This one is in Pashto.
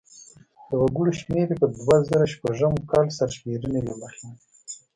د وګړو شمېر یې په دوه زره شپږم کال سرشمېرنې له مخې و.